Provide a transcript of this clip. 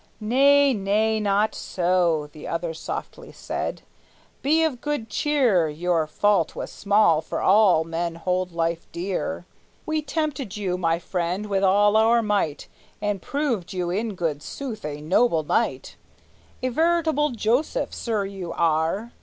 "Nay, nay, not so," The other softly said. "Be of good cheer; Your fault was small, for all men hold life dear. We tempted you, my friend, with all our might, And proved you in good sooth a noble knight; A veritable Joseph, sir, you are!"